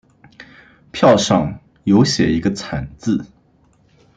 票上有写一个惨字